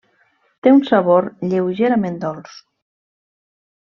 Té un sabor lleugerament dolç.